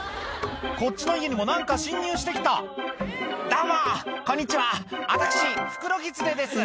こっちの家にも何か侵入してきた「どうもこんにちは私フクロギツネです」